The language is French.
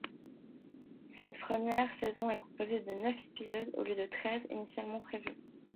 Cette première saison est composée de neuf épisodes au lieu des treize initialement prévus.